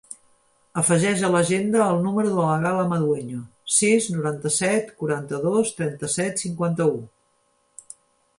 Afegeix a l'agenda el número de la Gal·la Madueño: sis, noranta-set, quaranta-dos, trenta-set, cinquanta-u.